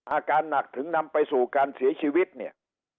อาการหนักถึงนำไปสู่การเสียชีวิตเนี่ย